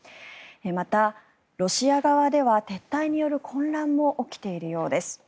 また、ロシア側では撤退による混乱も起きているようです。